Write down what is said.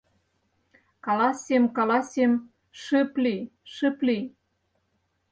— Каласем, каласем, шып лий, шып лий!